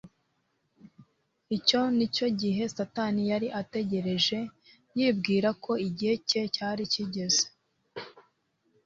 Icyo ni cyo gihe Satani yari ategereje. Yibwiraga ko igihe cye cyari kigeze,